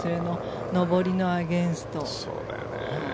上りのアゲンスト。